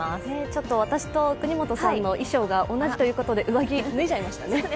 ちょっと私と國本さんの衣装が同じということで上着、脱いじゃいましたね。